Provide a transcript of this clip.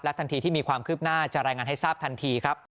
ทันทีที่มีความคืบหน้าจะรายงานให้ทราบทันทีครับ